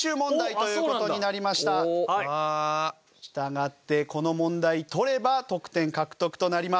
従ってこの問題取れば得点獲得となります。